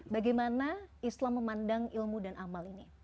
bagaimana islam memandang ilmu dan amal ini